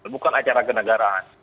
bukan acara kenegaraan